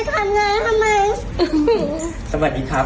ต้องไปทำงาน